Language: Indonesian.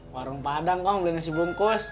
warung padang kong beli nasi bungkus